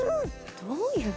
どういう？